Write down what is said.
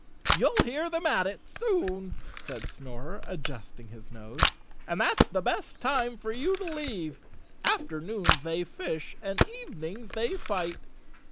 "You'll hear them at it soon," said Snorer, adjusting his nose, "and that's the best time for you to leave. Afternoons they fish and evenings they fight.